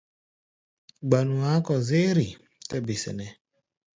Gbanu a̧á̧ kɔ-zérʼi? tɛ́ be sɛnɛ́.